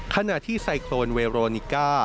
ขณะที่ไซโครนเวโรนิก้า